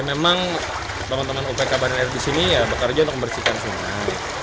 memang teman teman upk badan air di sini ya bekerja untuk membersihkan sungai